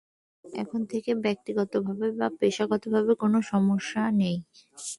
এখন থেকে ব্যক্তিগতভাবে বা পেশাগতভাবে কোনো সমস্যা নেই।